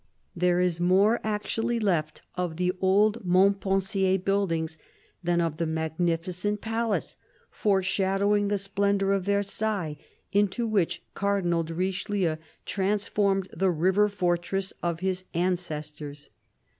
There is more actually left of the old Montpensier buildings than of the magnificent palace, foreshadowing the splendour of Versailles, into which Cardinal de Richelieu transformed the river fortress of his ancestors.